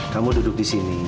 kamu duduk di sini